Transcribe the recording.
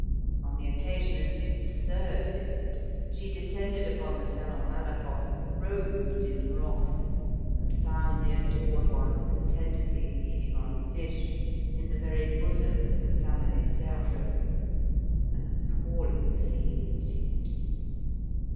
On the occasion of Zut's third visit, she descended upon the Salon Malakoff, robed in wrath, and found the adored one contentedly feeding on fish in the very bosom of the family Sergeot. An appalling scene ensued.